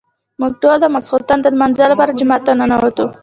موږ ټول د ماسخوتن د لمانځه لپاره جومات ته ننوتو.